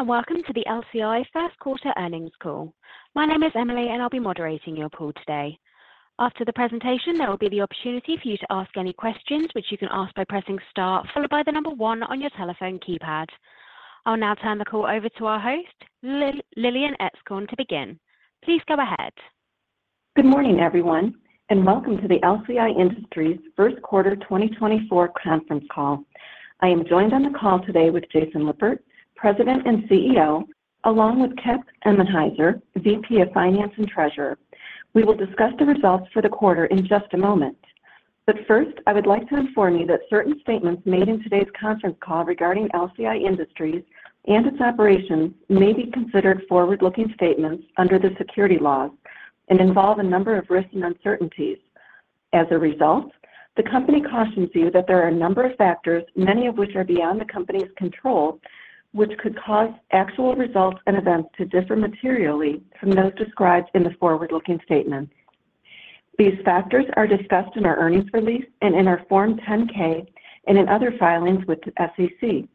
Hello everyone and welcome to the LCI first quarter earnings call. My name is Emily and I'll be moderating your call today. After the presentation there will be the opportunity for you to ask any questions which you can ask by pressing star followed by the number 1 on your telephone keypad. I'll now turn the call over to our host, Lillian Etzkorn, to begin. Please go ahead. Good morning everyone and welcome to the LCI Industries first quarter 2024 conference call. I am joined on the call today with Jason Lippert, President and CEO, along with Kip Emenhiser, VP of Finance and Treasurer. We will discuss the results for the quarter in just a moment. But first I would like to inform you that certain statements made in today's conference call regarding LCI Industries and its operations may be considered forward-looking statements under the securities laws and involve a number of risks and uncertainties. As a result, the company cautions you that there are a number of factors, many of which are beyond the company's control, which could cause actual results and events to differ materially from those described in the forward-looking statements. These factors are discussed in our earnings release and in our Form 10-K and in other filings with the SEC.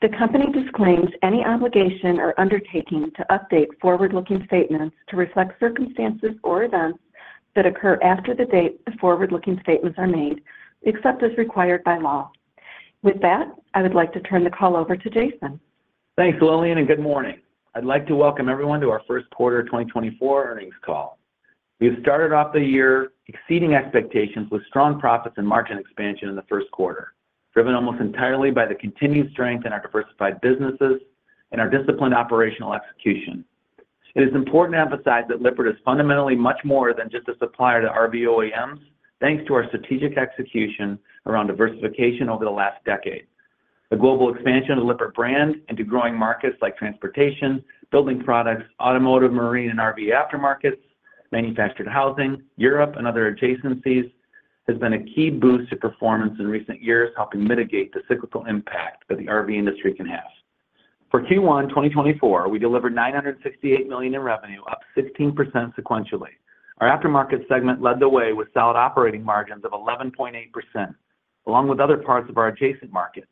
The company disclaims any obligation or undertaking to update forward-looking statements to reflect circumstances or events that occur after the date the forward-looking statements are made, except as required by law. With that, I would like to turn the call over to Jason. Thanks Lillian and good morning. I'd like to welcome everyone to our first quarter 2024 earnings call. We have started off the year exceeding expectations with strong profits and margin expansion in the first quarter, driven almost entirely by the continued strength in our diversified businesses and our disciplined operational execution. It is important to emphasize that Lippert is fundamentally much more than just a supplier to RV OEMs thanks to our strategic execution around diversification over the last decade. The global expansion of the Lippert brand into growing markets like transportation, building products, automotive, marine, and RV aftermarkets, manufactured housing, Europe, and other adjacencies has been a key boost to performance in recent years helping mitigate the cyclical impact that the RV industry can have. For Q1 2024 we delivered $968 million in revenue, up 16% sequentially. Our aftermarket segment led the way with solid operating margins of 11.8% along with other parts of our adjacent markets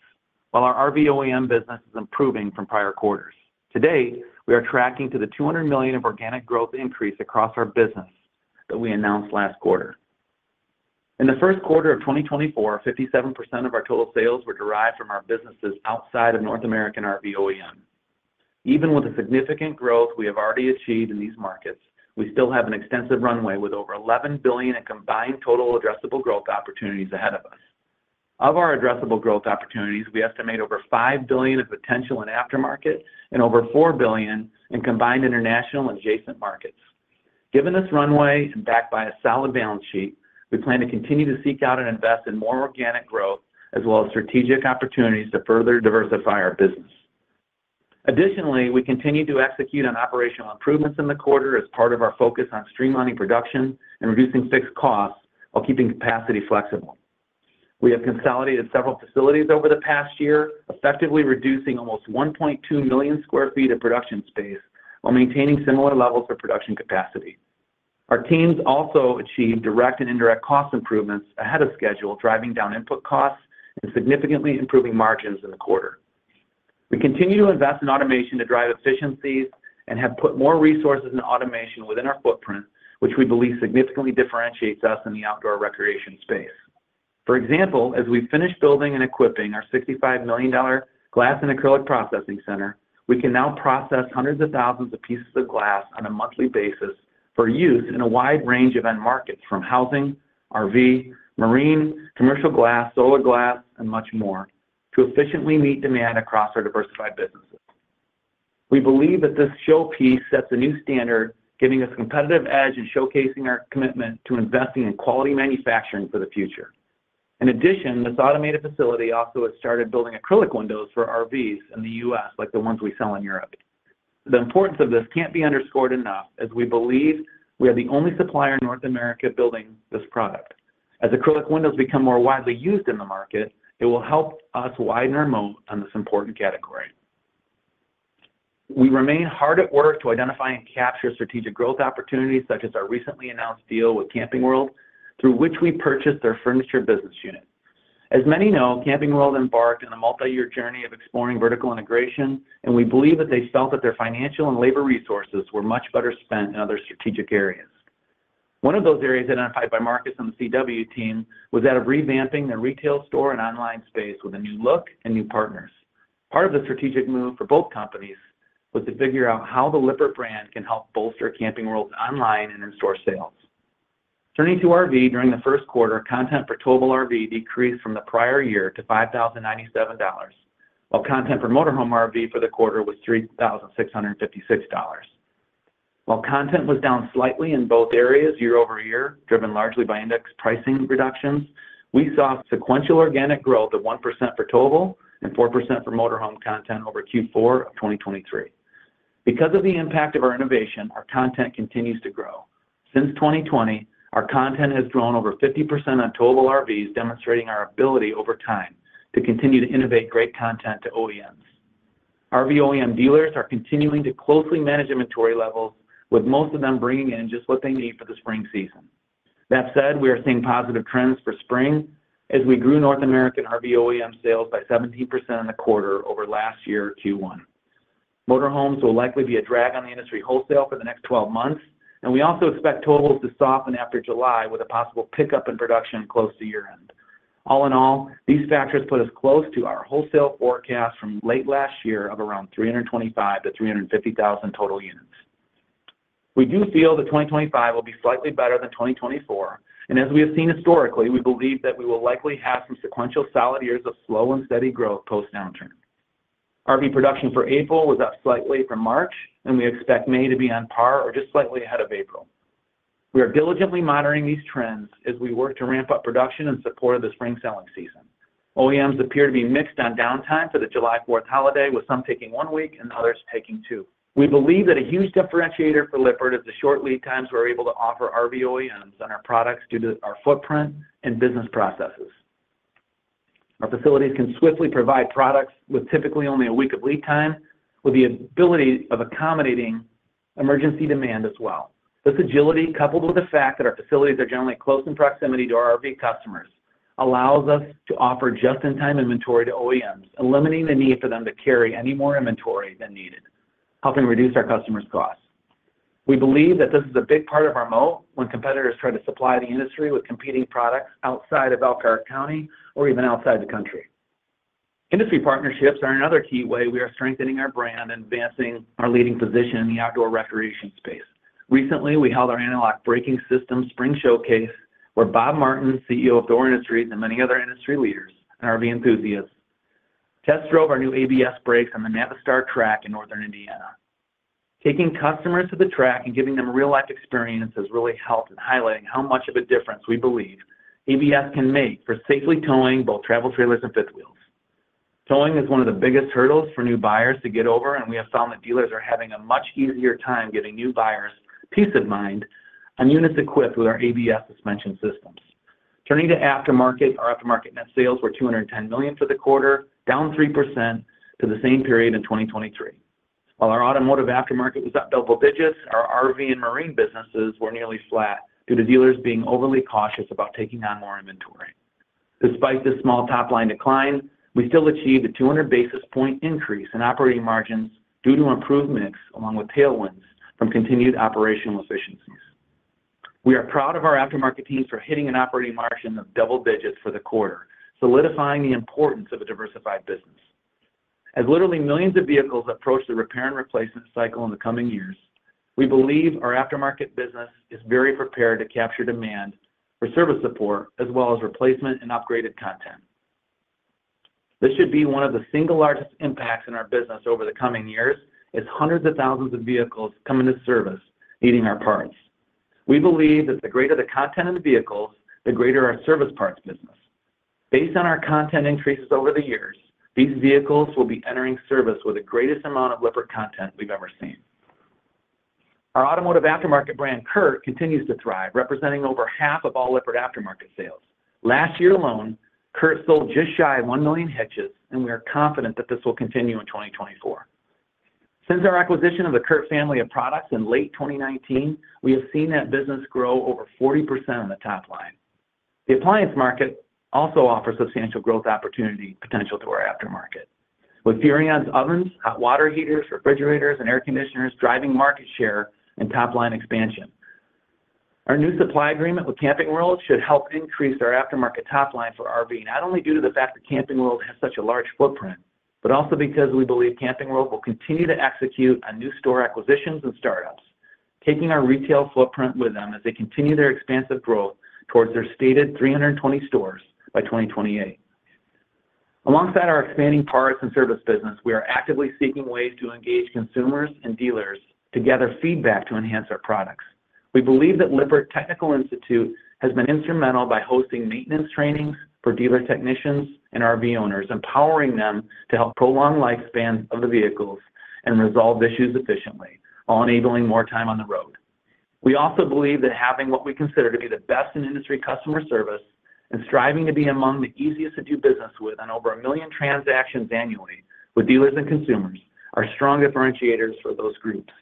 while our RV OEM business is improving from prior quarters. Today we are tracking to the $200 million of organic growth increase across our business that we announced last quarter. In the first quarter of 2024, 57% of our total sales were derived from our businesses outside of North American RV OEM. Even with the significant growth we have already achieved in these markets, we still have an extensive runway with over $11 billion in combined total addressable growth opportunities ahead of us. Of our addressable growth opportunities we estimate over $5 billion in potential in aftermarket and over $4 billion in combined international and adjacent markets. Given this runway and backed by a solid balance sheet, we plan to continue to seek out and invest in more organic growth as well as strategic opportunities to further diversify our business. Additionally, we continue to execute on operational improvements in the quarter as part of our focus on streamlining production and reducing fixed costs while keeping capacity flexible. We have consolidated several facilities over the past year effectively reducing almost 1.2 million sq ft of production space while maintaining similar levels of production capacity. Our teams also achieved direct and indirect cost improvements ahead of schedule driving down input costs and significantly improving margins in the quarter. We continue to invest in automation to drive efficiencies and have put more resources in automation within our footprint which we believe significantly differentiates us in the outdoor recreation space. For example, as we finish building and equipping our $65 million glass and acrylic processing center, we can now process hundreds of thousands of pieces of glass on a monthly basis for use in a wide range of end markets from housing, RV, marine, commercial glass, solar glass, and much more to efficiently meet demand across our diversified businesses. We believe that this showpiece sets a new standard giving us competitive edge and showcasing our commitment to investing in quality manufacturing for the future. In addition, this automated facility also has started building acrylic windows for RVs in the U.S. like the ones we sell in Europe. The importance of this can't be underscored enough as we believe we are the only supplier in North America building this product. As acrylic windows become more widely used in the market, it will help us widen our moat on this important category. We remain hard at work to identify and capture strategic growth opportunities such as our recently announced deal with Camping World through which we purchased their furniture business unit. As many know, Camping World embarked on a multi-year journey of exploring vertical integration and we believe that they felt that their financial and labor resources were much better spent in other strategic areas. One of those areas identified by Marcus and the CW team was that of revamping their retail store and online space with a new look and new partners. Part of the strategic move for both companies was to figure out how the Lippert brand can help bolster Camping World's online and in-store sales. Turning to RV, during the first quarter content per total RV decreased from the prior year to $5,097 while content per motorhome RV for the quarter was $3,656. While content was down slightly in both areas year-over-year driven largely by index pricing reductions, we saw sequential organic growth of 1% in total and 4% for motorhome content over Q4 of 2023. Because of the impact of our innovation, our content continues to grow. Since 2020, our content has grown over 50% on total RVs demonstrating our ability over time to continue to innovate great content to OEMs. RV OEM dealers are continuing to closely manage inventory levels with most of them bringing in just what they need for the spring season. That said, we are seeing positive trends for spring as we grew North American RV OEM sales by 17% in the quarter over last year Q1. Motorhomes will likely be a drag on the industry wholesale for the next 12 months and we also expect totals to soften after July with a possible pickup in production close to year-end. All in all, these factors put us close to our wholesale forecast from late last year of around 325,000-350,000 total units. We do feel that 2025 will be slightly better than 2024 and as we have seen historically, we believe that we will likely have some sequential solid years of slow and steady growth post-downturn. RV production for April was up slightly from March and we expect May to be on par or just slightly ahead of April. We are diligently monitoring these trends as we work to ramp up production in support of the spring selling season. OEMs appear to be mixed on downtime for the July 4th holiday with some taking one week and others taking two. We believe that a huge differentiator for Lippert is the short lead times we're able to offer RV OEMs on our products due to our footprint and business processes. Our facilities can swiftly provide products with typically only a week of lead time with the ability of accommodating emergency demand as well. This agility, coupled with the fact that our facilities are generally close in proximity to our RV customers, allows us to offer just-in-time inventory to OEMs, eliminating the need for them to carry any more inventory than needed, helping reduce our customers' costs. We believe that this is a big part of our moat when competitors try to supply the industry with competing products outside of Elkhart County or even outside the country. Industry partnerships are another key way we are strengthening our brand and advancing our leading position in the outdoor recreation space. Recently, we held our Anti-lock Braking Systems spring showcase where Bob Martin, CEO of THOR Industries, and many other industry leaders and RV enthusiasts test drove our new ABS brakes on the Navistar track in Northern Indiana. Taking customers to the track and giving them a real-life experience has really helped in highlighting how much of a difference we believe ABS can make for safely towing both travel trailers and fifth wheels. Towing is one of the biggest hurdles for new buyers to get over and we have found that dealers are having a much easier time giving new buyers peace of mind on units equipped with our ABS suspension systems. Turning to aftermarket, our aftermarket net sales were $210 million for the quarter, down 3% to the same period in 2023. While our automotive aftermarket was up double digits, our RV and marine businesses were nearly flat due to dealers being overly cautious about taking on more inventory. Despite this small top-line decline, we still achieved a 200 basis point increase in operating margins due to improvements along with tailwinds from continued operational efficiencies. We are proud of our aftermarket team for hitting an operating margin of double digits for the quarter, solidifying the importance of a diversified business. As literally millions of vehicles approach the repair and replacement cycle in the coming years, we believe our aftermarket business is very prepared to capture demand for service support as well as replacement and upgraded content. This should be one of the single largest impacts in our business over the coming years as hundreds of thousands of vehicles come into service needing our parts. We believe that the greater the content in the vehicles, the greater our service parts business. Based on our content increases over the years, these vehicles will be entering service with the greatest amount of Lippert content we've ever seen. Our automotive aftermarket brand CURT continues to thrive representing over half of all Lippert aftermarket sales. Last year alone, CURT sold just shy of 1 million hitches and we are confident that this will continue in 2024. Since our acquisition of the CURT family of products in late 2019, we have seen that business grow over 40% on the top line. The appliance market also offers substantial growth opportunity potential to our aftermarket with Furrion ovens, hot water heaters, refrigerators, and air conditioners driving market share and top line expansion. Our new supply agreement with Camping World should help increase our aftermarket top line for RV not only due to the fact that Camping World has such a large footprint but also because we believe Camping World will continue to execute on new store acquisitions and startups, taking our retail footprint with them as they continue their expansive growth towards their stated 320 stores by 2028. Alongside our expanding parts and service business, we are actively seeking ways to engage consumers and dealers to gather feedback to enhance our products. We believe that Lippert Technical Institute has been instrumental by hosting maintenance trainings for dealer technicians and RV owners, empowering them to help prolong lifespans of the vehicles and resolve issues efficiently while enabling more time on the road. We also believe that having what we consider to be the best in industry customer service and striving to be among the easiest to do business with on over 1 million transactions annually with dealers and consumers are strong differentiators for those groups.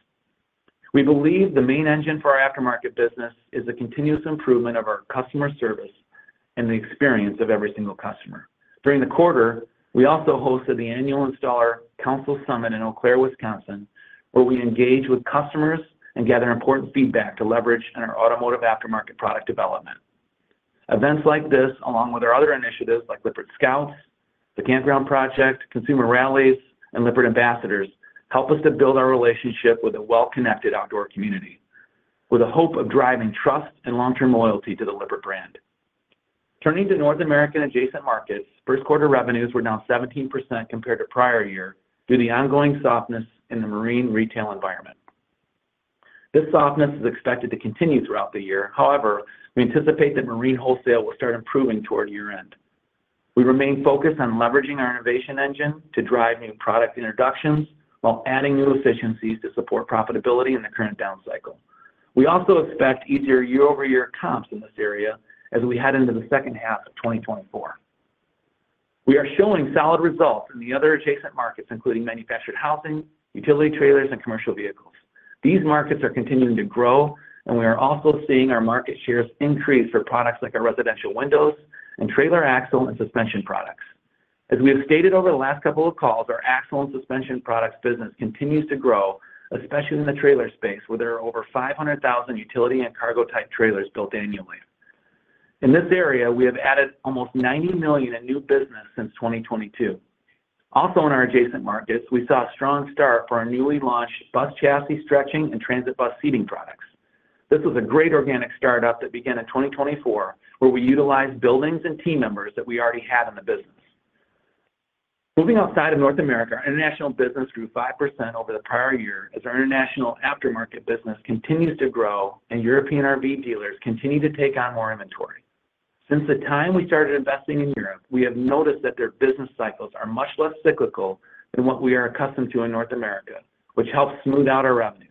We believe the main engine for our aftermarket business is the continuous improvement of our customer service and the experience of every single customer. During the quarter, we also hosted the annual Installer Council Summit in Eau Claire, Wisconsin, where we engage with customers and gather important feedback to leverage in our automotive aftermarket product development. Events like this, along with our other initiatives like Lippert Scouts, the Campground Project, consumer rallies, and Lippert Ambassadors, help us to build our relationship with a well-connected outdoor community with the hope of driving trust and long-term loyalty to the Lippert brand. Turning to North American adjacent markets, first quarter revenues were down 17% compared to prior year due to the ongoing softness in the marine retail environment. This softness is expected to continue throughout the year. However, we anticipate that marine wholesale will start improving toward year-end. We remain focused on leveraging our innovation engine to drive new product introductions while adding new efficiencies to support profitability in the current down cycle. We also expect easier year-over-year comps in this area as we head into the second half of 2024. We are showing solid results in the other adjacent markets including manufactured housing, utility trailers, and commercial vehicles. These markets are continuing to grow and we are also seeing our market shares increase for products like our residential windows and trailer axle and suspension products. As we have stated over the last couple of calls, our axle and suspension products business continues to grow especially in the trailer space where there are over 500,000 utility and cargo type trailers built annually. In this area, we have added almost $90 million in new business since 2022. Also in our adjacent markets, we saw a strong start for our newly launched bus chassis stretching and transit bus seating products. This was a great organic startup that began in 2024 where we utilized buildings and team members that we already had in the business. Moving outside of North America, our international business grew 5% over the prior year as our international aftermarket business continues to grow and European RV dealers continue to take on more inventory. Since the time we started investing in Europe, we have noticed that their business cycles are much less cyclical than what we are accustomed to in North America, which helps smooth out our revenues.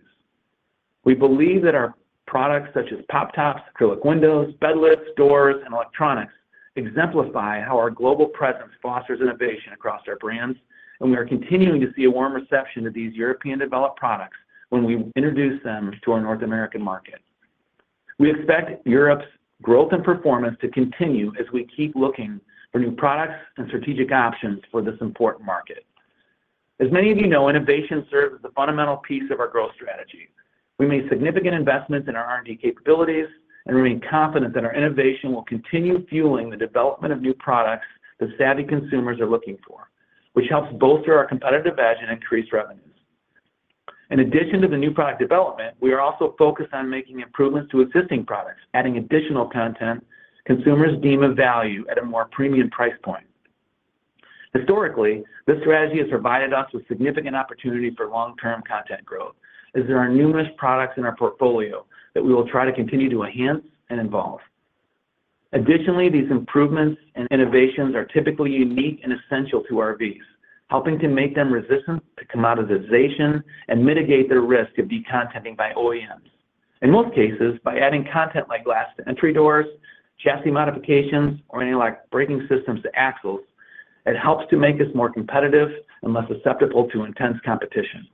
We believe that our products such as pop tops, acrylic windows, bed lifts, doors, and electronics exemplify how our global presence fosters innovation across our brands, and we are continuing to see a warm reception to these European-developed products when we introduce them to our North American market. We expect Europe's growth and performance to continue as we keep looking for new products and strategic options for this important market. As many of you know, innovation serves as the fundamental piece of our growth strategy. We made significant investments in our R&D capabilities and remain confident that our innovation will continue fueling the development of new products that savvy consumers are looking for, which helps bolster our competitive edge and increase revenues. In addition to the new product development, we are also focused on making improvements to existing products, adding additional content consumers deem of value at a more premium price point. Historically, this strategy has provided us with significant opportunity for long-term content growth as there are numerous products in our portfolio that we will try to continue to enhance and involve. Additionally, these improvements and innovations are typically unique and essential to RVs, helping to make them resistant to commoditization and mitigate their risk of decontenting by OEMs. In most cases, by adding content like glass to entry doors, chassis modifications, or Analog Braking Systems to axles, it helps to make us more competitive and less susceptible to intense competition.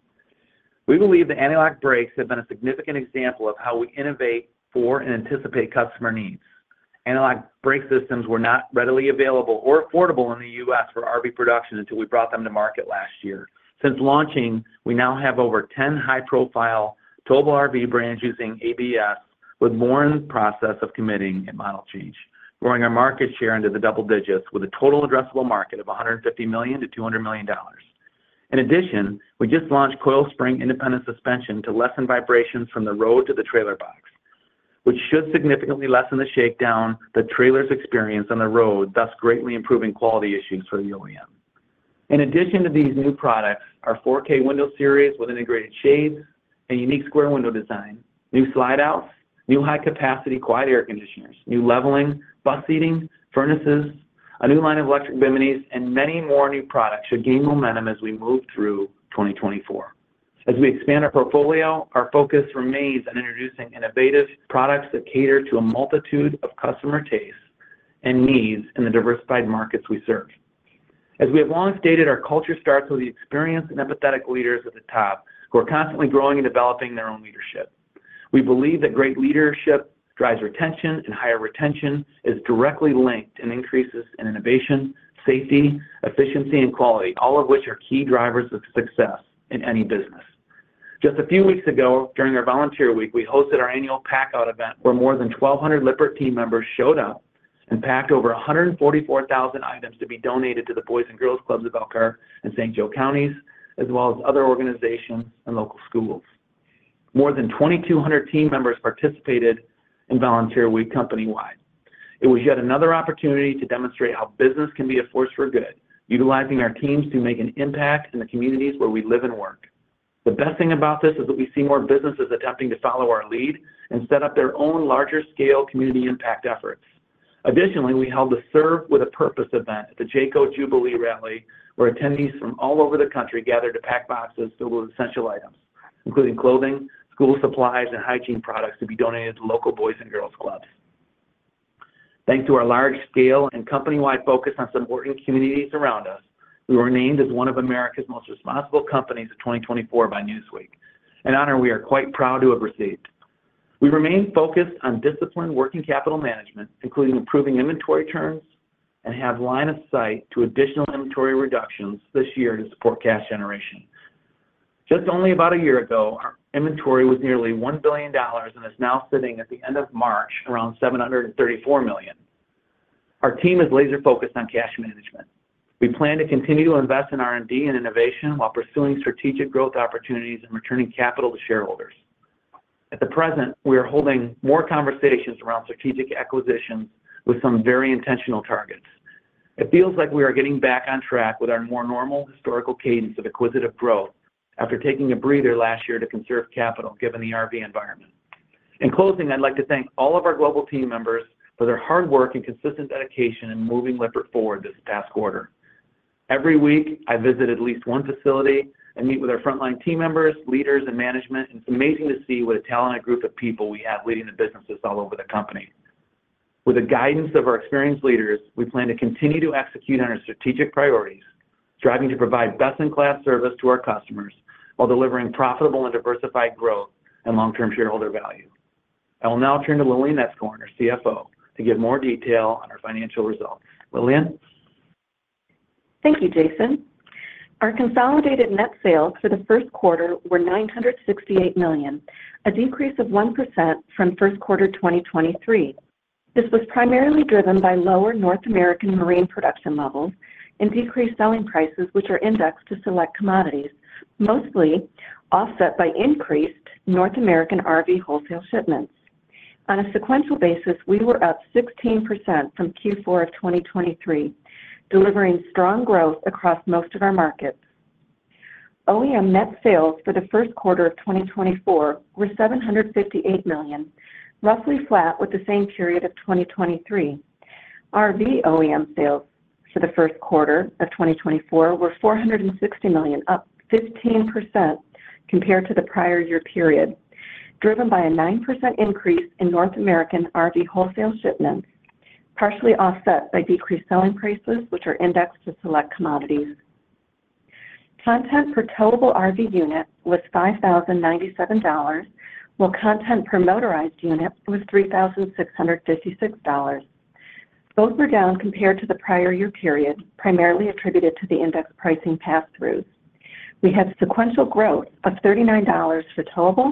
We believe the Anti-lock Brakes have been a significant example of how we innovate for and anticipate customer needs. Anti-lock Brake Systems were not readily available or affordable in the U.S. for RV production until we brought them to market last year. Since launching, we now have over 10 high-profile total RV brands using ABS with more in the process of committing and model change, growing our market share into the double digits with a total addressable market of $150 million-$200 million. In addition, we just launched coil spring independent suspension to lessen vibrations from the road to the trailer box, which should significantly lessen the shakedown that trailers experience on the road, thus greatly improving quality issues for the OEM. In addition to these new products, our 4K window series with integrated shades and unique square window design, new slide-outs, new high-capacity quiet air conditioners, new leveling, bus seating, furnaces, a new line of electric biminis, and many more new products should gain momentum as we move through 2024. As we expand our portfolio, our focus remains on introducing innovative products that cater to a multitude of customer tastes and needs in the diversified markets we serve. As we have long stated, our culture starts with the experienced and empathetic leaders at the top who are constantly growing and developing their own leadership. We believe that great leadership drives retention and higher retention is directly linked and increases in innovation, safety, efficiency, and quality, all of which are key drivers of success in any business. Just a few weeks ago during our volunteer week, we hosted our annual Pack-Out Event where more than 1,200 Lippert team members showed up and packed over 144,000 items to be donated to the Boys & Girls Clubs of Elkhart and St. Joseph Counties as well as other organizations and local schools. More than 2,200 team members participated in Volunteer Week company-wide. It was yet another opportunity to demonstrate how business can be a force for good utilizing our teams to make an impact in the communities where we live and work. The best thing about this is that we see more businesses attempting to follow our lead and set up their own larger-scale community impact efforts. Additionally, we held the seRV With a Purpose Event at the Jayco Jubilee Rally where attendees from all over the country gathered to pack boxes filled with essential items including clothing, school supplies, and hygiene products to be donated to local Boys & Girls Clubs. Thanks to our large-scale and company-wide focus on supporting communities around us, we were named as one of America's most responsible companies of 2024 by Newsweek. An honor we are quite proud to have received. We remain focused on disciplined working capital management including improving inventory turns and have line of sight to additional inventory reductions this year to support cash generation. Just only about a year ago, our inventory was nearly $1 billion and is now sitting at the end of March around $734 million. Our team is laser-focused on cash management. We plan to continue to invest in R&D and innovation while pursuing strategic growth opportunities and returning capital to shareholders. At the present, we are holding more conversations around strategic acquisitions with some very intentional targets. It feels like we are getting back on track with our more normal historical cadence of acquisitive growth after taking a breather last year to conserve capital given the RV environment. In closing, I'd like to thank all of our global team members for their hard work and consistent dedication in moving Lippert forward this past quarter. Every week, I visit at least one facility and meet with our frontline team members, leaders, and management, and it's amazing to see what a talented group of people we have leading the businesses all over the company. With the guidance of our experienced leaders, we plan to continue to execute on our strategic priorities striving to provide best-in-class service to our customers while delivering profitable and diversified growth and long-term shareholder value. I will now turn to Lillian Etzkorn, our CFO, to give more detail on our financial results. Lillian. Thank you, Jason. Our consolidated net sales for the first quarter were $968 million, a decrease of 1% from first quarter 2023. This was primarily driven by lower North American marine production levels and decreased selling prices which are indexed to select commodities mostly offset by increased North American RV wholesale shipments. On a sequential basis, we were up 16% from Q4 of 2023 delivering strong growth across most of our markets. OEM net sales for the first quarter of 2024 were $758 million, roughly flat with the same period of 2023. RV OEM sales for the first quarter of 2024 were $460 million, up 15% compared to the prior year period driven by a 9% increase in North American RV wholesale shipments partially offset by decreased selling prices which are indexed to select commodities. Content per towable RV unit was $5,097 while content per motorized unit was $3,656. Both were down compared to the prior year period primarily attributed to the index pricing pass-throughs. We had sequential growth of $39 for towable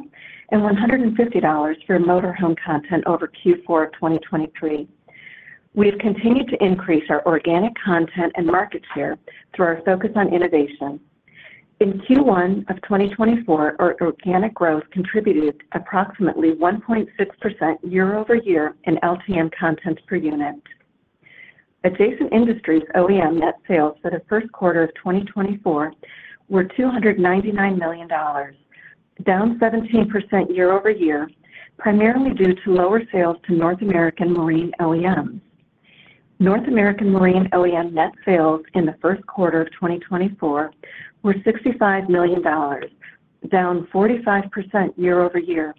and $150 for motor home content over Q4 of 2023. We have continued to increase our organic content and market share through our focus on innovation. In Q1 of 2024, our organic growth contributed approximately 1.6% year-over-year in LTM content per unit. Adjacent industries OEM net sales for the first quarter of 2024 were $299 million, down 17% year-over-year primarily due to lower sales to North American marine OEMs. North American marine OEM net sales in the first quarter of 2024 were $65 million, down 45% year-over-year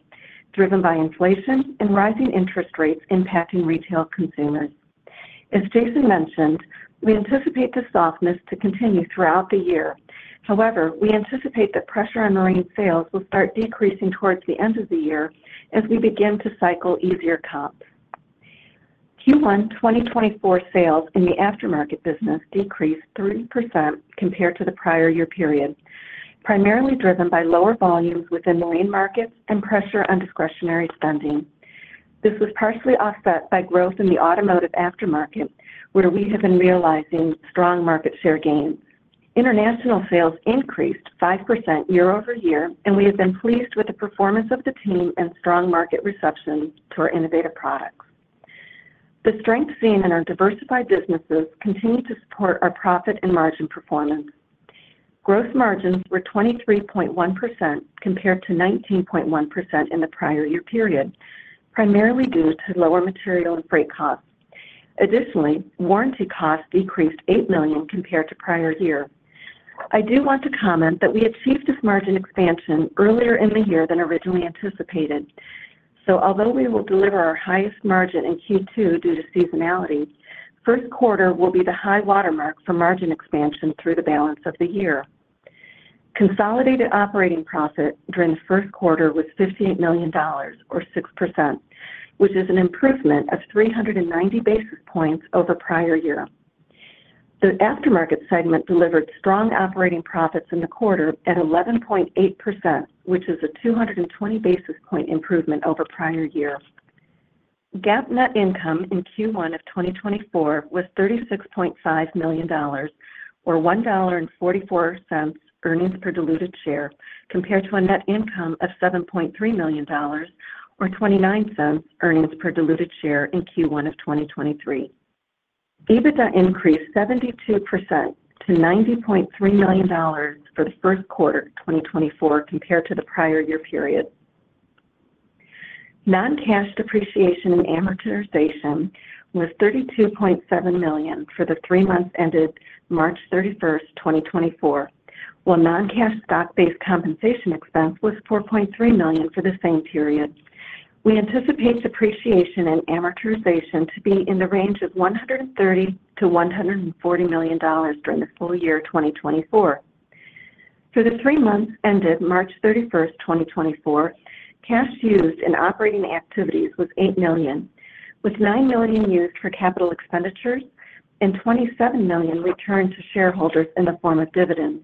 driven by inflation and rising interest rates impacting retail consumers. As Jason mentioned, we anticipate the softness to continue throughout the year. However, we anticipate that pressure on marine sales will start decreasing towards the end of the year as we begin to cycle easier comps. Q1 2024 sales in the aftermarket business decreased 3% compared to the prior year period primarily driven by lower volumes within marine markets and pressure on discretionary spending. This was partially offset by growth in the automotive aftermarket where we have been realizing strong market share gains. International sales increased 5% year-over-year and we have been pleased with the performance of the team and strong market reception to our innovative products. The strengths seen in our diversified businesses continue to support our profit and margin performance. Gross margins were 23.1% compared to 19.1% in the prior year period primarily due to lower material and freight costs. Additionally, warranty costs decreased $8 million compared to prior year. I do want to comment that we achieved this margin expansion earlier in the year than originally anticipated. So although we will deliver our highest margin in Q2 due to seasonality, first quarter will be the high watermark for margin expansion through the balance of the year. Consolidated operating profit during the first quarter was $58 million or 6% which is an improvement of 390 basis points over prior year. The aftermarket segment delivered strong operating profits in the quarter at 11.8% which is a 220 basis point improvement over prior year. GAAP net income in Q1 of 2024 was $36.5 million or $1.44 earnings per diluted share compared to a net income of $7.3 million or $0.29 earnings per diluted share in Q1 of 2023. EBITDA increased 72% to $90.3 million for the first quarter 2024 compared to the prior year period. Non-cash depreciation and amortization was $32.7 million for the three months ended March 31st, 2024, while non-cash stock-based compensation expense was $4.3 million for the same period. We anticipate depreciation and amortization to be in the range of $130-$140 million during the full year 2024. For the three months ended March 31st, 2024, cash used in operating activities was $8 million with $9 million used for capital expenditures and $27 million returned to shareholders in the form of dividends.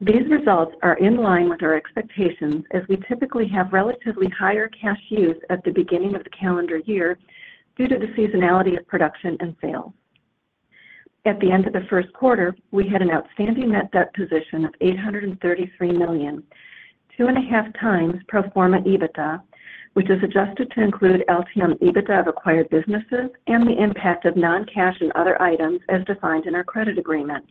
These results are in line with our expectations as we typically have relatively higher cash use at the beginning of the calendar year due to the seasonality of production and sales. At the end of the first quarter, we had an outstanding net debt position of $833 million, 2.5x pro forma EBITDA which is adjusted to include LTM EBITDA of acquired businesses and the impact of non-cash and other items as defined in our credit agreement.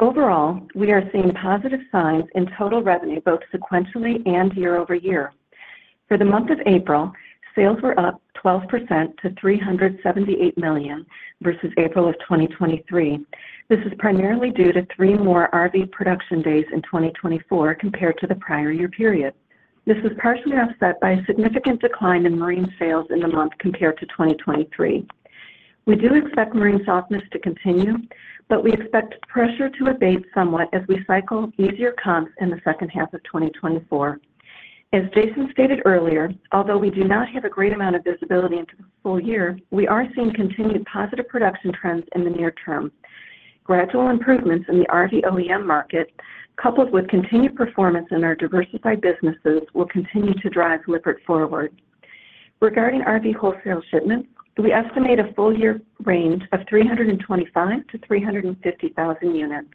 Overall, we are seeing positive signs in total revenue both sequentially and year-over-year. For the month of April, sales were up 12% to $378 million versus April of 2023. This is primarily due to three more RV production days in 2024 compared to the prior year period. This was partially offset by a significant decline in marine sales in the month compared to 2023. We do expect marine softness to continue but we expect pressure to abate somewhat as we cycle easier comps in the second half of 2024. As Jason stated earlier, although we do not have a great amount of visibility into the full year, we are seeing continued positive production trends in the near term. Gradual improvements in the RV OEM market coupled with continued performance in our diversified businesses will continue to drive Lippert forward. Regarding RV wholesale shipments, we estimate a full year range of 325,000-350,000 units.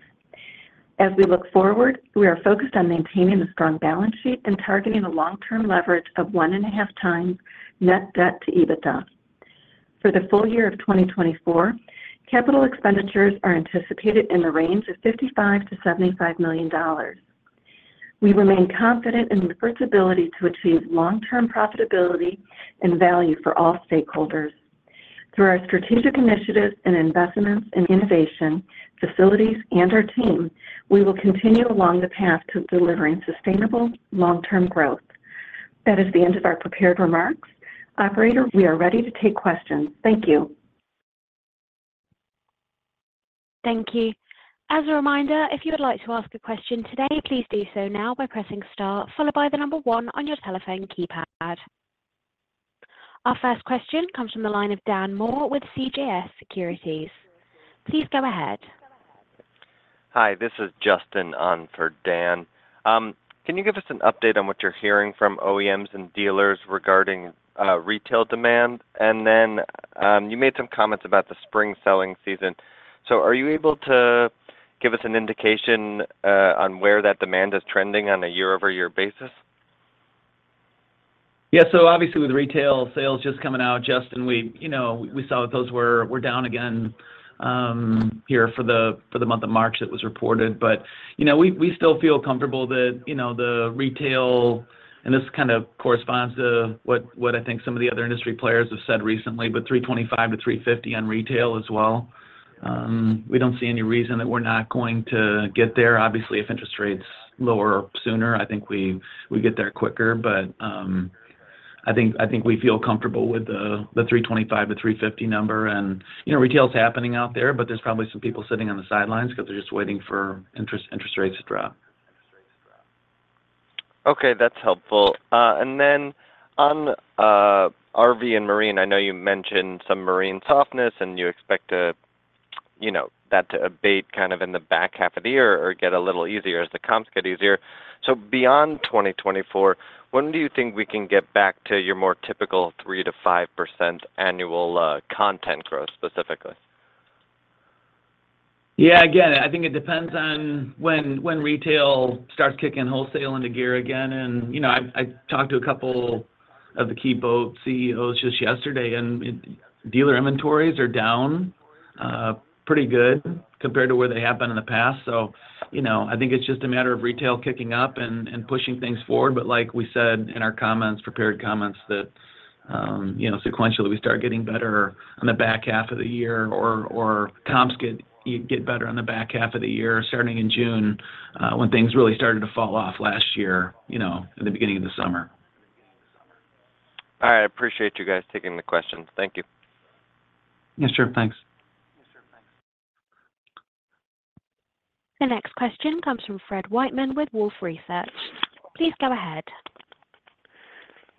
As we look forward, we are focused on maintaining a strong balance sheet and targeting a long-term leverage of 1.5x net debt to EBITDA. For the full year of 2024, capital expenditures are anticipated in the range of $55 million-$75 million. We remain confident in Lippert's ability to achieve long-term profitability and value for all stakeholders. Through our strategic initiatives and investments in innovation, facilities, and our team, we will continue along the path to delivering sustainable long-term growth. That is the end of our prepared remarks. Operator, we are ready to take questions. Thank you. Thank you. As a reminder, if you would like to ask a question today, please do so now by pressing star followed by the number 1 on your telephone keypad. Our first question comes from the line of Dan Moore with CJS Securities. Please go ahead. Hi, this is Justin on for Dan. Can you give us an update on what you're hearing from OEMs and dealers regarding retail demand? And then you made some comments about the spring selling season. So are you able to give us an indication on where that demand is trending on a year-over-year basis? Yeah. So obviously, with retail sales just coming out, Justin, we saw that those were down again here for the month of March that was reported. But we still feel comfortable that the retail and this kind of corresponds to what I think some of the other industry players have said recently but $325-$350 on retail as well. We don't see any reason that we're not going to get there. Obviously, if interest rates lower sooner, I think we get there quicker. But I think we feel comfortable with the $325-$350 number. Retail's happening out there but there's probably some people sitting on the sidelines because they're just waiting for interest rates to drop. Okay. That's helpful. And then on RV and marine, I know you mentioned some marine softness and you expect that to abate kind of in the back half of the year or get a little easier as the comps get easier. So beyond 2024, when do you think we can get back to your more typical 3%-5% annual content growth specifically? Yeah. Again, I think it depends on when retail starts kicking wholesale into gear again. I talked to a couple of the key boat CEOs just yesterday and dealer inventories are down pretty good compared to where they have been in the past. I think it's just a matter of retail kicking up and pushing things forward. Like we said in our comments, prepared comments, that sequentially we start getting better on the back half of the year or comps get better on the back half of the year starting in June when things really started to fall off last year at the beginning of the summer. All right. I appreciate you guys taking the questions. Thank you. Yes, sir. Thanks. The next question comes from Fred Wightman with Wolfe Research. Please go ahead.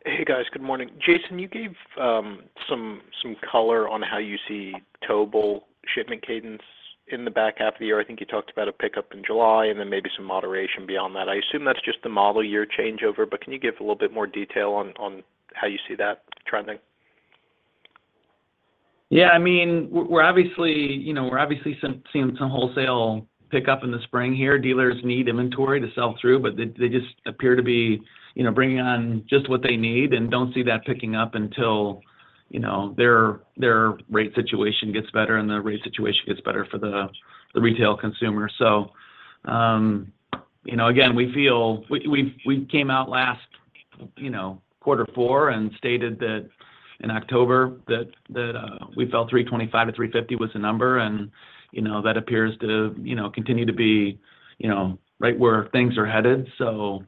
Hey, guys. Good morning. Jason, you gave some color on how you see towable shipment cadence in the back half of the year. I think you talked about a pickup in July and then maybe some moderation beyond that. I assume that's just the model year changeover but can you give a little bit more detail on how you see that trending? Yeah. I mean, we're obviously seeing some wholesale pickup in the spring here. Dealers need inventory to sell through but they just appear to be bringing on just what they need and don't see that picking up until their rate situation gets better and the rate situation gets better for the retail consumer. So again, we came out last quarter four and stated that in October that we felt $325-$350 was the number and that appears to continue to be right where things are headed. So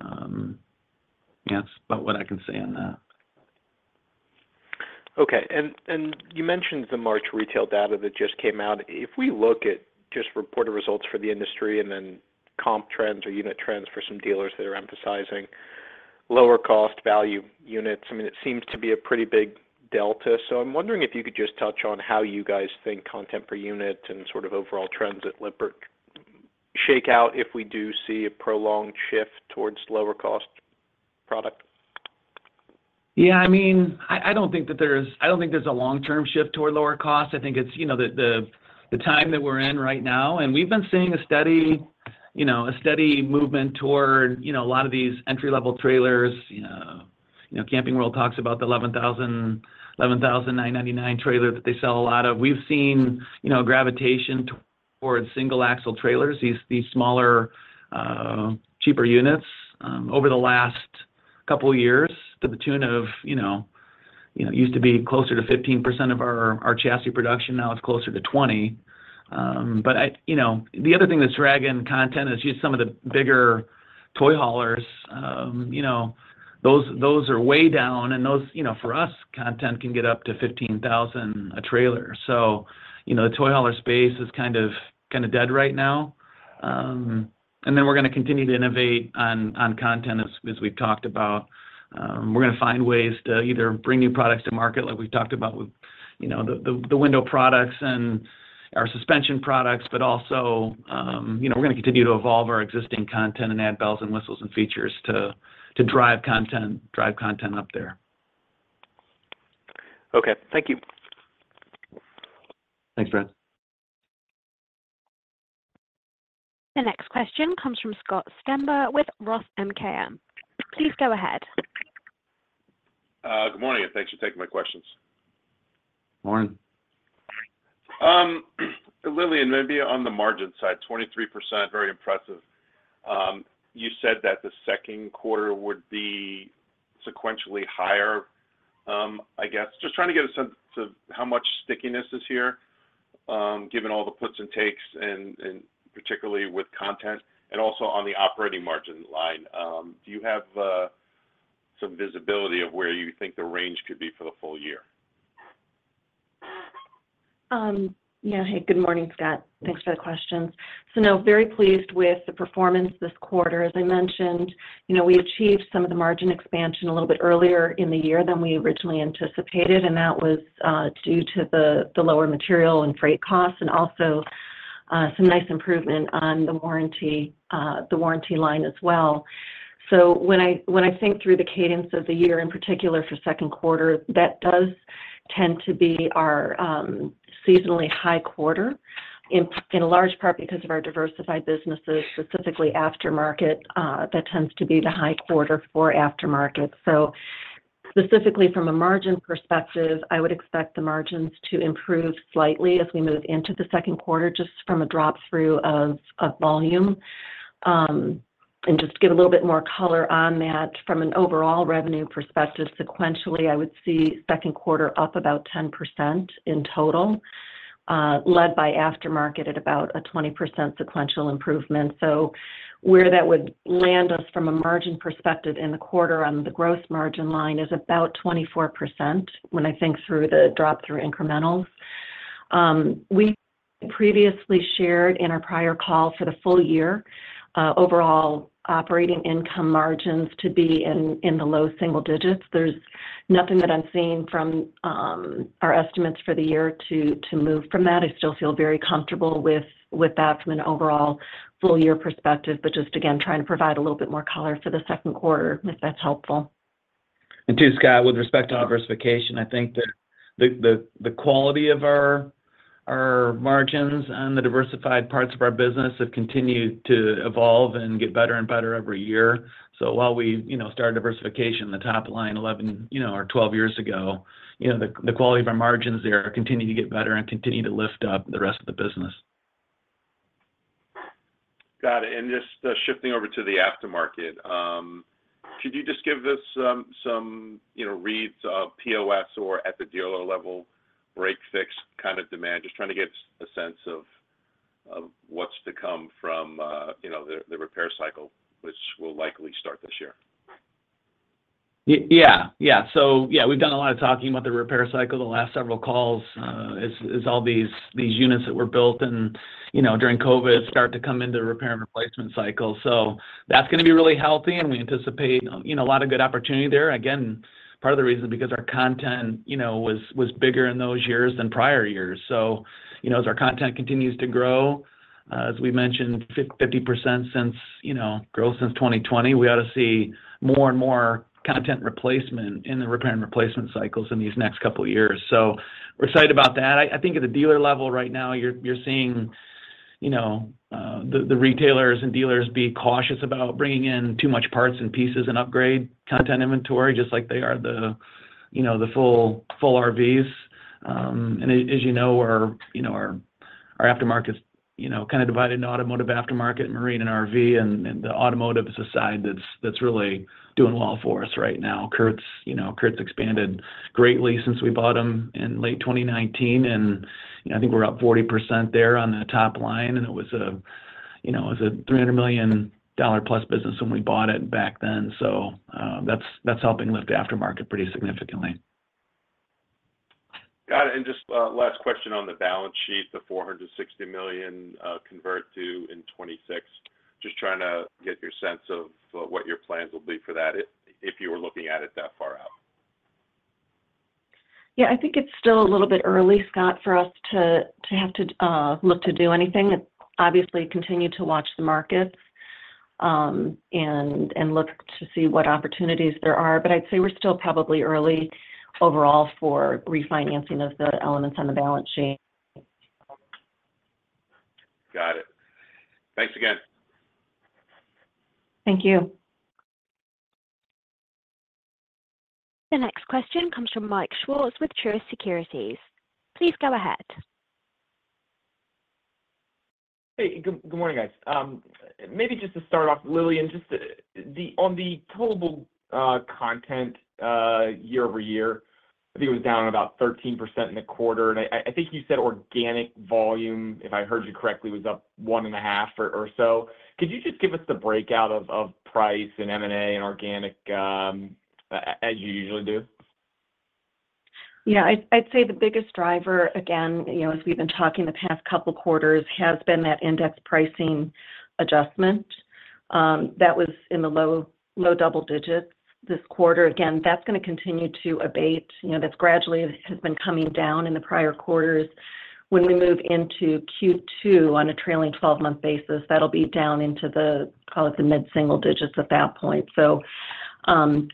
yeah, that's about what I can say on that. Okay. And you mentioned the March retail data that just came out. If we look at just reported results for the industry and then comp trends or unit trends for some dealers that are emphasizing lower cost value units, I mean, it seems to be a pretty big delta. So I'm wondering if you could just touch on how you guys think content per unit and sort of overall trends at Lippert shake out if we do see a prolonged shift towards lower cost product? Yeah. I mean, I don't think there's a long-term shift toward lower cost. I think it's the time that we're in right now. And we've been seeing a steady movement toward a lot of these entry-level trailers. Camping World talks about the $11,999 trailer that they sell a lot of. We've seen gravitation towards single-axle trailers, these smaller, cheaper units over the last couple of years to the tune of used to be closer to 15% of our chassis production. Now it's closer to 20%. But the other thing that's dragging content is just some of the bigger toy haulers. Those are way down and those for us, content can get up to $15,000 a trailer. So the toy hauler space is kind of dead right now. And then we're going to continue to innovate on content as we've talked about. We're going to find ways to either bring new products to market, like we've talked about with the window products and our suspension products, but also we're going to continue to evolve our existing content and add bells and whistles and features to drive content up there. Okay. Thank you. Thanks, Fred. The next question comes from Scott Stember with Roth MKM. Please go ahead. Good morning. Thanks for taking my questions. Morning. Lillian, maybe on the margin side, 23%, very impressive. You said that the second quarter would be sequentially higher, I guess. Just trying to get a sense of how much stickiness is here given all the puts and takes and particularly with content and also on the operating margin line. Do you have some visibility of where you think the range could be for the full year? Hey. Good morning, Scott. Thanks for the questions. So no, very pleased with the performance this quarter. As I mentioned, we achieved some of the margin expansion a little bit earlier in the year than we originally anticipated and that was due to the lower material and freight costs and also some nice improvement on the warranty line as well. So when I think through the cadence of the year in particular for second quarter, that does tend to be our seasonally high quarter in large part because of our diversified businesses, specifically aftermarket. That tends to be the high quarter for aftermarket. So specifically from a margin perspective, I would expect the margins to improve slightly as we move into the second quarter just from a drop-through of volume. And just to give a little bit more color on that, from an overall revenue perspective, sequentially, I would see second quarter up about 10% in total led by aftermarket at about a 20% sequential improvement. So where that would land us from a margin perspective in the quarter on the gross margin line is about 24% when I think through the drop-through incrementals. We previously shared in our prior call for the full year overall operating income margins to be in the low single digits. There's nothing that I'm seeing from our estimates for the year to move from that. I still feel very comfortable with that from an overall full year perspective but just again trying to provide a little bit more color for the second quarter if that's helpful. And too, Scott, with respect to diversification, I think that the quality of our margins on the diversified parts of our business have continued to evolve and get better and better every year. So while we started diversification in the top line 11 or 12 years ago, the quality of our margins there continue to get better and continue to lift up the rest of the business. Got it. Just shifting over to the aftermarket, could you just give us some reads of POS or at the dealer level break-fix kind of demand? Just trying to get a sense of what's to come from the repair cycle which will likely start this year. Yeah. Yeah. So yeah, we've done a lot of talking about the repair cycle the last several calls as all these units that were built during COVID start to come into the repair and replacement cycle. So that's going to be really healthy and we anticipate a lot of good opportunity there. Again, part of the reason is because our content was bigger in those years than prior years. So as our content continues to grow, as we mentioned, 50% growth since 2020, we ought to see more and more content replacement in the repair and replacement cycles in these next couple of years. So we're excited about that. I think at the dealer level right now, you're seeing the retailers and dealers be cautious about bringing in too much parts and pieces and upgrade content inventory just like they are the full RVs. As you know, our aftermarket's kind of divided into automotive aftermarket, marine, and RV. The automotive is a side that's really doing well for us right now. CURT's expanded greatly since we bought them in late 2019 and I think we're up 40% there on the top line. It was a $300 million-plus business when we bought it back then. That's helping lift aftermarket pretty significantly. Got it. And just last question on the balance sheet, the $460 million convert due in 2026, just trying to get your sense of what your plans will be for that if you were looking at it that far out. Yeah. I think it's still a little bit early, Scott, for us to have to look to do anything. Obviously, continue to watch the market and look to see what opportunities there are. But I'd say we're still probably early overall for refinancing of the elements on the balance sheet. Got it. Thanks again. Thank you. The next question comes from Michael Swartz with Truist Securities. Please go ahead. Hey. Good morning, guys. Maybe just to start off, Lillian, just on the total content year-over-year, I think it was down about 13% in the quarter. And I think you said organic volume, if I heard you correctly, was up 1.5 or so. Could you just give us the breakout of price and M&A and organic as you usually do? Yeah. I'd say the biggest driver, again, as we've been talking the past couple of quarters, has been that index pricing adjustment that was in the low double digits this quarter. Again, that's going to continue to abate. That's gradually has been coming down in the prior quarters. When we move into Q2 on a trailing 12-month basis, that'll be down into, call it, the mid-single digits at that point. So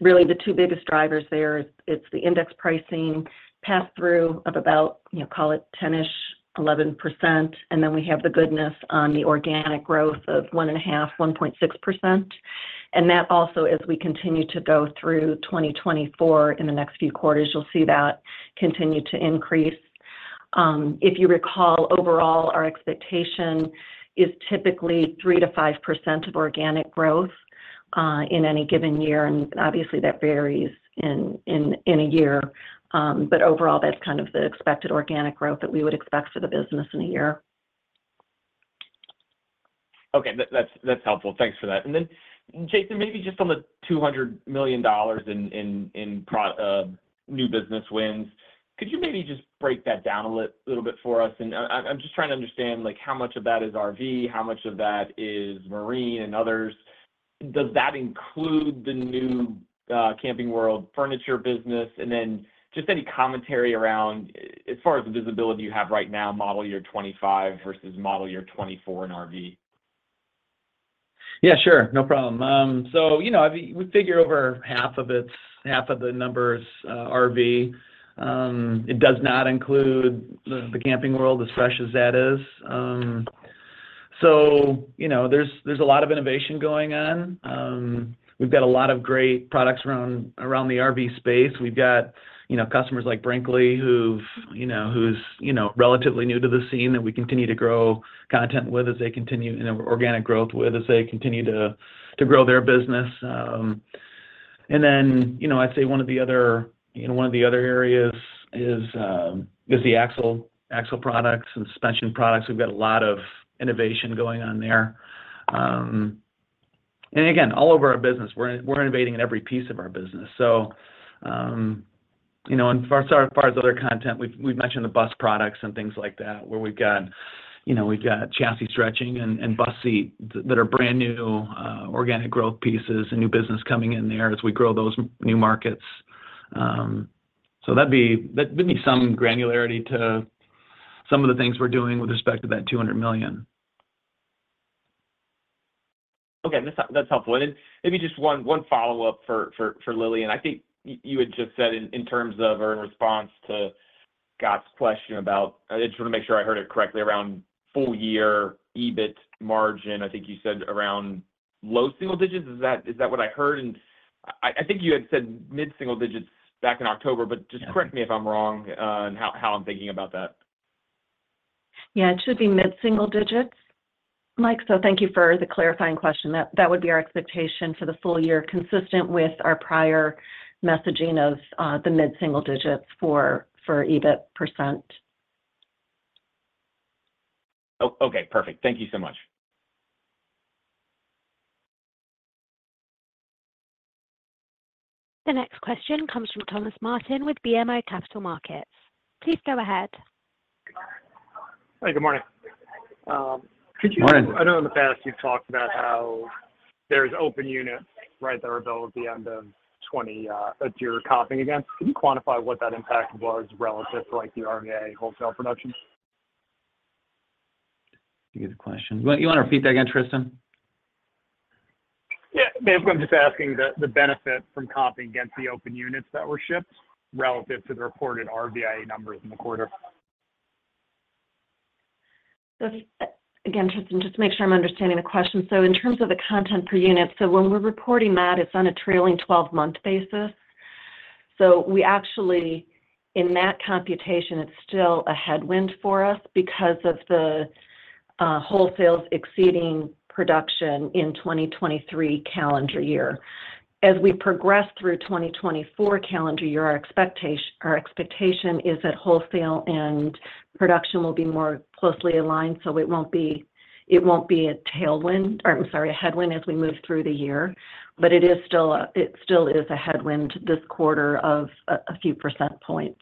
really, the two biggest drivers there, it's the index pricing pass-through of about, call it, 10-ish, 11%. And then we have the goodness on the organic growth of 1.5, 1.6%. And that also, as we continue to go through 2024 in the next few quarters, you'll see that continue to increase. If you recall, overall, our expectation is typically 3%-5% of organic growth in any given year. Obviously, that varies in a year. Overall, that's kind of the expected organic growth that we would expect for the business in a year. Okay. That's helpful. Thanks for that. And then, Jason, maybe just on the $200 million in new business wins, could you maybe just break that down a little bit for us? And I'm just trying to understand how much of that is RV, how much of that is marine and others. Does that include the new Camping World furniture business? And then just any commentary around as far as the visibility you have right now, model year 2025 versus model year 2024 in RV? Yeah. Sure. No problem. So we figure over half of the numbers are RV. It does not include the Camping World, as fresh as that is. So there's a lot of innovation going on. We've got a lot of great products around the RV space. We've got customers like Brinkley who's relatively new to the scene that we continue to grow content with as they continue in organic growth with as they continue to grow their business. And then I'd say one of the other areas is the axle products and suspension products. We've got a lot of innovation going on there. And again, all over our business, we're innovating in every piece of our business. So as far as other content, we've mentioned the bus products and things like that where we've got chassis stretching and bus seating that are brand new organic growth pieces and new business coming in there as we grow those new markets. So that'd be some granularity to some of the things we're doing with respect to that $200 million. Okay. That's helpful. And then maybe just one follow-up for Lillian. I think you had just said in terms of or in response to Scott's question about—I just want to make sure I heard it correctly—around full year EBIT margin. I think you said around low single digits. Is that what I heard? And I think you had said mid-single digits back in October, but just correct me if I'm wrong on how I'm thinking about that. Yeah. It should be mid-single digits, Mike. So thank you for the clarifying question. That would be our expectation for the full year consistent with our prior messaging of the mid-single digits for EBIT %. Okay. Perfect. Thank you so much. The next question comes from Tristan Thomas-Martin with BMO Capital Markets. Please go ahead. Hey. Good morning. Could you? Morning. I know in the past you've talked about how there's open units, right, that are built at the end of 2020 that you're comping against. Can you quantify what that impact was relative to the RV wholesale production? That's a good question. You want to repeat that again, Tristan? Yeah. I'm just asking the benefit from comping against the open units that were shipped relative to the reported RVI numbers in the quarter? Again, Tristan, just to make sure I'm understanding the question. So in terms of the content per unit, so when we're reporting that, it's on a trailing 12-month basis. So actually, in that computation, it's still a headwind for us because of the wholesales exceeding production in 2023 calendar year. As we progress through 2024 calendar year, our expectation is that wholesale and production will be more closely aligned. So it won't be a tailwind or I'm sorry, a headwind as we move through the year. But it still is a headwind this quarter of a few percentage points.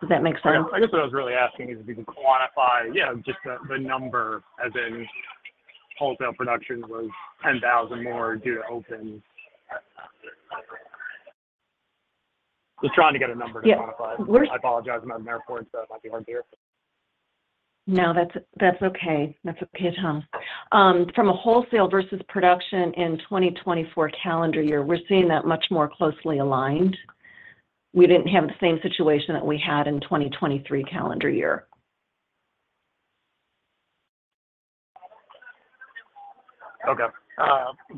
Does that make sense? I guess what I was really asking is if you could quantify just the number as in wholesale production was 10,000 more due to open. Just trying to get a number to quantify. I apologize if I'm out of an airport. That might be hard to hear. No. That's okay. That's okay, Tom. From a wholesale versus production in 2024 calendar year, we're seeing that much more closely aligned. We didn't have the same situation that we had in 2023 calendar year. Okay.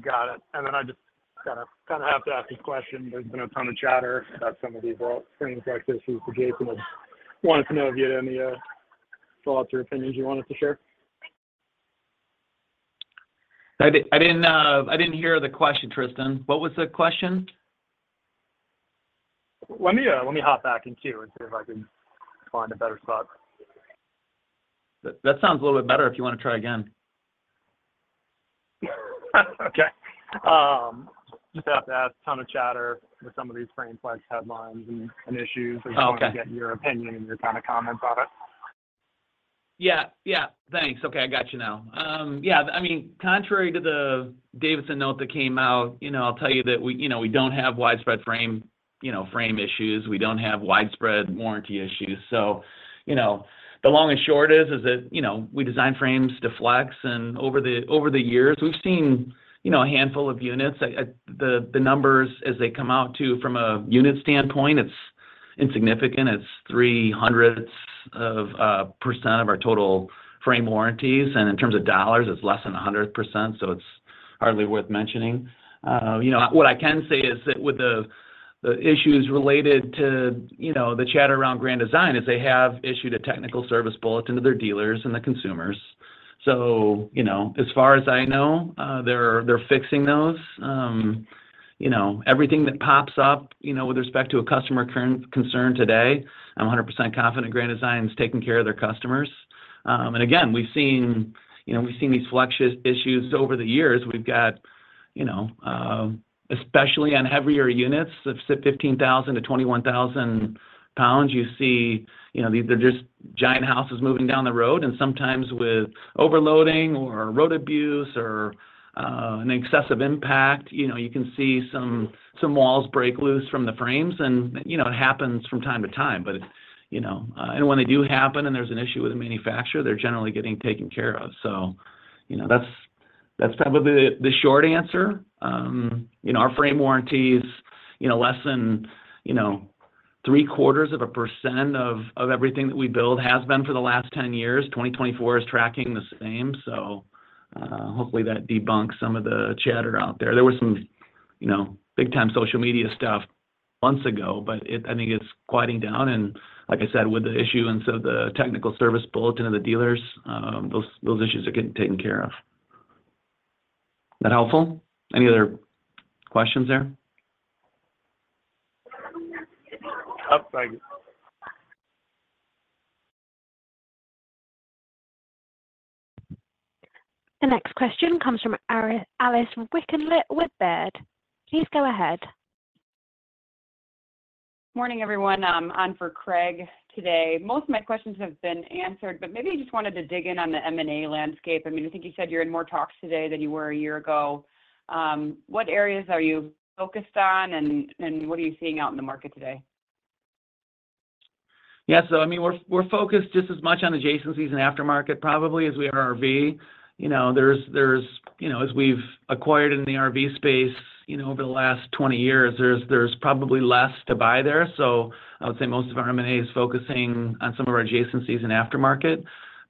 Got it. And then I just kind of have to ask this question. There's been a ton of chatter about some of these things like this. If Jason wanted to know if you had any thoughts or opinions you wanted to share. I didn't hear the question, Tristan. What was the question? Let me hop back in queue and see if I can find a better spot. That sounds a little bit better if you want to try again. Okay. Just have to ask a ton of chatter with some of these frame flex, headlines, and issues. I just wanted to get your opinion and your kind of comments on it. Yeah. Yeah. Thanks. Okay. I got you now. Yeah. I mean, contrary to the DA Davidson note that came out, I'll tell you that we don't have widespread frame issues. We don't have widespread warranty issues. So the long and short is that we design frames to flex. And over the years, we've seen a handful of units. The numbers, as they come out too from a unit standpoint, it's insignificant. It's 0.03% of our total frame warranties. And in terms of dollars, it's less than 100%. So it's hardly worth mentioning. What I can say is that with the issues related to the chatter around Grand Design is they have issued a technical service bulletin to their dealers and the consumers. So as far as I know, they're fixing those. Everything that pops up with respect to a customer concern today, I'm 100% confident Grand Design is taking care of their customers. And again, we've seen these flex issues over the years. We've got especially on heavier units of 15,000-21,000 pounds, you see they're just giant houses moving down the road. And sometimes with overloading or road abuse or an excessive impact, you can see some walls break loose from the frames. And it happens from time to time. But when they do happen and there's an issue with the manufacturer, they're generally getting taken care of. So that's probably the short answer. Our frame warranties, less than three-quarters of a % of everything that we build has been for the last 10 years. 2024 is tracking the same. So hopefully, that debunks some of the chatter out there. There was some big-time social media stuff months ago, but I think it's quieting down. Like I said, with the issue and so the technical service bulletin of the dealers, those issues are getting taken care of. Is that helpful? Any other questions there? Oh, thank you. The next question comes from Alice Wycklendt with Baird. Please go ahead. Morning, everyone. I'm on for Craig today. Most of my questions have been answered, but maybe I just wanted to dig in on the M&A landscape. I mean, I think you said you're in more talks today than you were a year ago. What areas are you focused on and what are you seeing out in the market today? Yeah. So I mean, we're focused just as much on adjacencies and aftermarket probably as we are RV. There's as we've acquired in the RV space over the last 20 years, there's probably less to buy there. So I would say most of our M&A is focusing on some of our adjacencies and aftermarket.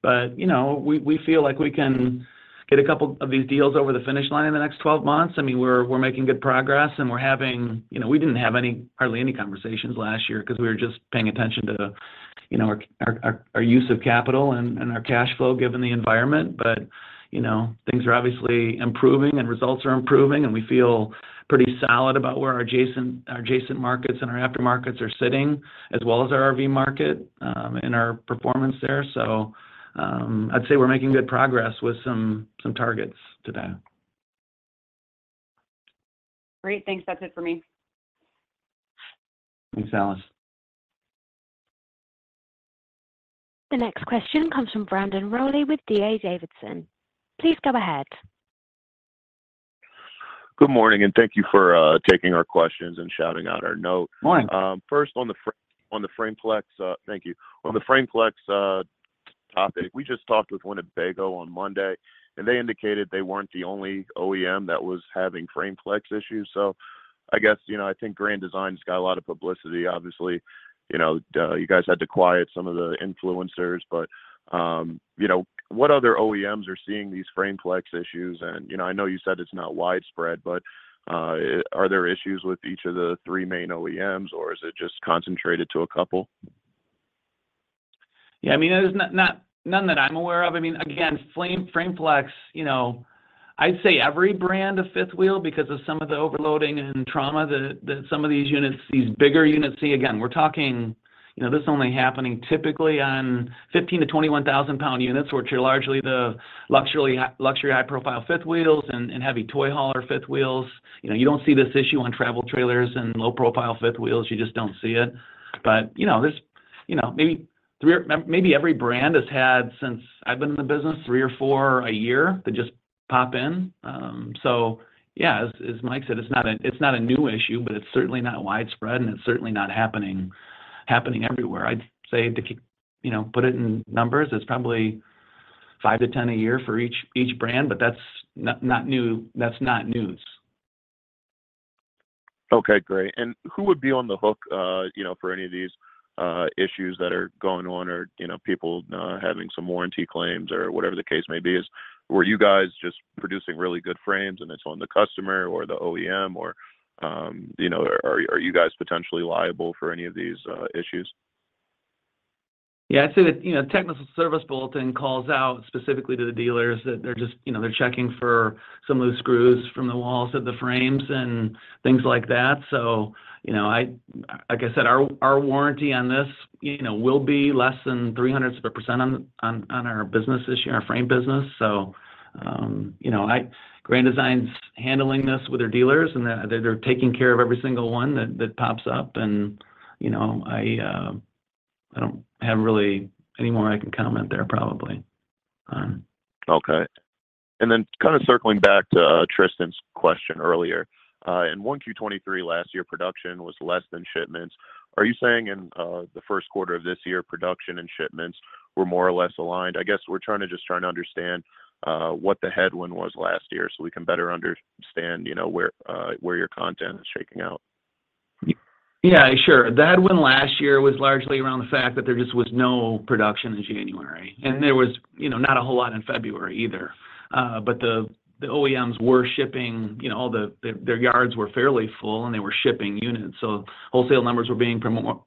But we feel like we can get a couple of these deals over the finish line in the next 12 months. I mean, we're making good progress and we didn't have hardly any conversations last year because we were just paying attention to our use of capital and our cash flow given the environment. But things are obviously improving and results are improving. And we feel pretty solid about where our adjacent markets and our aftermarkets are sitting as well as our RV market and our performance there. I'd say we're making good progress with some targets today. Great. Thanks. That's it for me. Thanks, Alice. The next question comes from Brandon Rolle with DA Davidson. Please go ahead. Good morning. Thank you for taking our questions and shouting out our note. Morning. First, on the frame flex, thank you. On the frame flex topic, we just talked with one at Winnebago on Monday, and they indicated they weren't the only OEM that was having frame flex issues. So I guess I think Grand Design's got a lot of publicity. Obviously, you guys had to quiet some of the influencers. But what other OEMs are seeing these frame flex issues? And I know you said it's not widespread, but are there issues with each of the three main OEMs, or is it just concentrated to a couple? Yeah. I mean, there's none that I'm aware of. I mean, again, frame flex, I'd say every brand of fifth wheel because of some of the overloading and trauma that some of these units, these bigger units see. Again, we're talking this is only happening typically on 15,000-21,000-pound units, which are largely the luxury high-profile fifth wheels and heavy toy hauler fifth wheels. You don't see this issue on travel trailers and low-profile fifth wheels. You just don't see it. But there's maybe every brand has had since I've been in the business, three or four a year that just pop in. So yeah, as Mike said, it's not a new issue, but it's certainly not widespread, and it's certainly not happening everywhere. I'd say to put it in numbers, it's probably 5-10 a year for each brand, but that's not news. Okay. Great. Who would be on the hook for any of these issues that are going on or people having some warranty claims or whatever the case may be? Were you guys just producing really good frames, and it's on the customer or the OEM, or are you guys potentially liable for any of these issues? Yeah. I'd say that technical service bulletin calls out specifically to the dealers that they're checking for some of the screws from the walls of the frames and things like that. So like I said, our warranty on this will be less than 0.03% on our business this year, our frame business. So Grand Design's handling this with their dealers, and they're taking care of every single one that pops up. And I don't have really any more I can comment there probably. Okay. Then kind of circling back to Tristan's question earlier, in 1Q23 last year, production was less than shipments. Are you saying in the first quarter of this year, production and shipments were more or less aligned? I guess we're just trying to understand what the headwind was last year so we can better understand where your content is shaking out. Yeah. Sure. The headwind last year was largely around the fact that there just was no production in January. And there was not a whole lot in February either. But the OEMs were shipping. All their yards were fairly full, and they were shipping units. So wholesale numbers were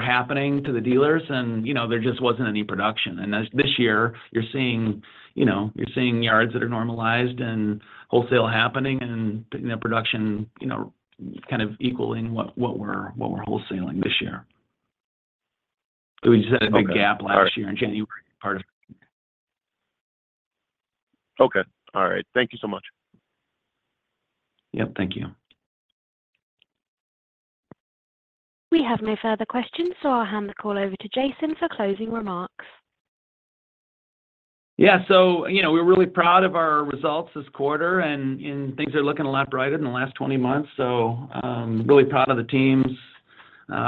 happening to the dealers, and there just wasn't any production. And this year, you're seeing yards that are normalized and wholesale happening and production kind of equaling what we're wholesaling this year. We just had a big gap last year in January part of. Okay. All right. Thank you so much. Yep. Thank you. We have no further questions, so I'll hand the call over to Jason for closing remarks. Yeah. So we're really proud of our results this quarter, and things are looking a lot brighter in the last 20 months. So really proud of the teams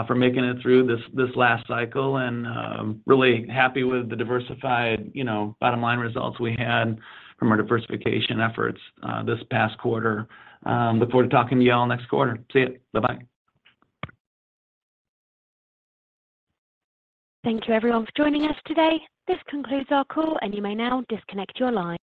for making it through this last cycle and really happy with the diversified bottom line results we had from our diversification efforts this past quarter. Look forward to talking to you all next quarter. See you. Bye-bye. Thank you, everyone, for joining us today. This concludes our call, and you may now disconnect your line.